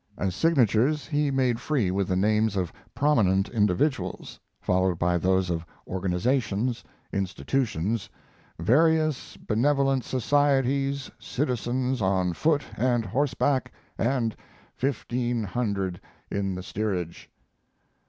As signatures he made free with the names of prominent individuals, followed by those of organizations, institutions, "Various Benevolent Societies, Citizens on Foot and Horseback, and fifteen hundred in the Steerage."